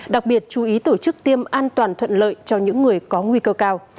đặc biệt chú ý tổ chức tiêm an toàn thuận lợi cho những người có nguy cơ cao